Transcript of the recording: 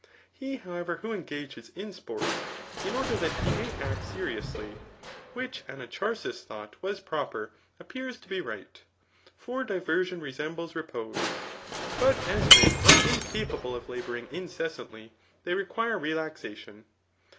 He, however, who engages in spcHts, in OTder that he iftay act seriously, which Anacharsis thought was proper, appears to be right ; for diversion resembles re^ pose. But as men are incapable of labouring incessantly, they require relaxation.